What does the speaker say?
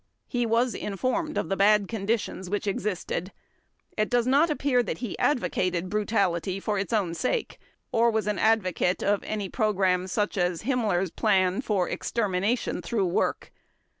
He was informed of the bad conditions which existed. It does not appear that he advocated brutality for its own sake, or was an advocate of any program such as Himmler's plan for extermination through work.